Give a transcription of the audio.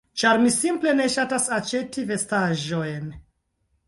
ĉar mi simple ne ŝatas aĉeti vestaĵojn.